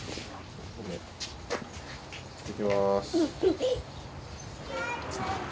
行ってきます。